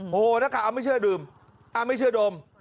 โฮน้ากข่าวมักไม่เชื่อดื่มอ้าวไม่เชื่อดม